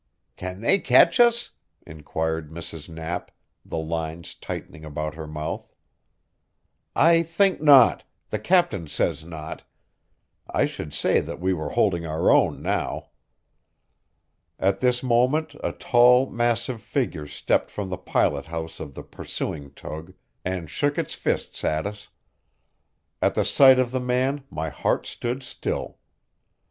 "Can they catch us?" inquired Mrs. Knapp, the lines tightening about her mouth. "I think not the captain says not. I should say that we were holding our own now." At this moment a tall, massive figure stepped from the pilot house of the pursuing tug and shook its fists at us. At the sight of the man my heart stood still.